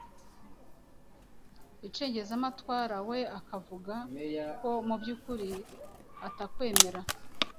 icengezamatwara, we akavuga ko mu by'ukuri atakwemera